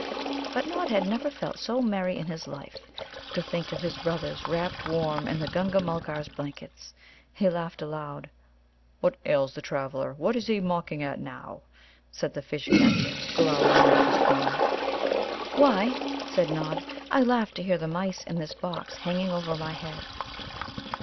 But Nod had never felt so merry in his life. To think of his brothers wrapped warm in the Gunga mulgar's blankets! He laughed aloud. "What ails the Traveller? What is he mocking at now?" said the Fish catcher, glowering out of his corner. "Why," said Nod, "I laughed to hear the mice in this box hanging over my head."